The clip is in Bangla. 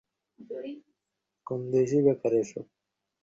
তিনি তার আসনটি গ্রহণ করেন।